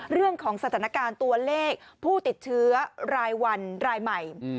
เรื่องของสถานการณ์ตัวเลขผู้ติดเชื้อรายวันรายใหม่